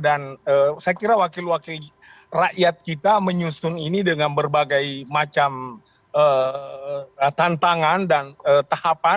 dan saya kira wakil wakil rakyat kita menyusun ini dengan berbagai macam tantangan dan tahapan